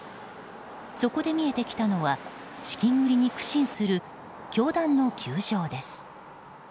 そこで見えてきたのは資金繰りに苦心する教団の窮状です。